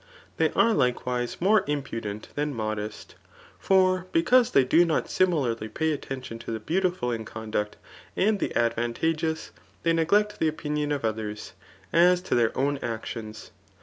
They are likewise more impudent than modest j for because they do not similarly pay attention to the beautiful in conduct and the advantageous, they neglect the opinion of others, as to their own actions.